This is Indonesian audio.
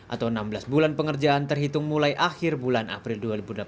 atau enam belas bulan pengerjaan terhitung mulai akhir bulan april dua ribu delapan belas